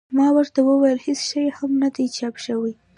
ما ورته وویل هېڅ شی هم نه دي چاپ شوي.